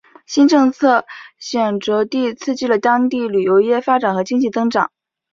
新政策显着地刺激了当地旅游业发展和经济增长。